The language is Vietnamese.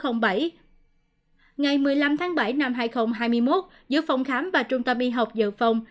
ngày một mươi năm tháng bảy năm hai nghìn hai mươi một giữa phòng khám và trung tâm y học dự phòng